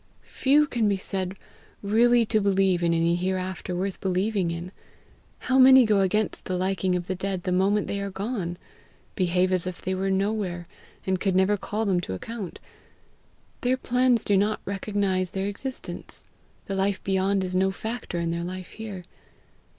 Few can be said really to believe in any hereafter worth believing in. How many go against the liking of the dead the moment they are gone behave as if they were nowhere, and could never call them to account! Their plans do not recognize their existence; the life beyond is no factor in their life here.